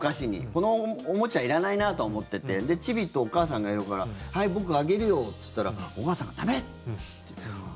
このおもちゃいらないなと思っててちびとお母さんがいるからはい、僕あげるよっつったらお母さんが駄目！って言って。